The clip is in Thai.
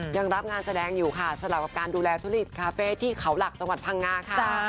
ยังรับงานแสดงอยู่ค่ะสำหรับการดูแลทุจริตคาเฟ่ที่เขาหลักจังหวัดพังงาค่ะ